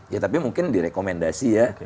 ya tapi mungkin direkomendasi ya